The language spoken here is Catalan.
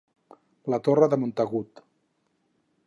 La torre Montagut.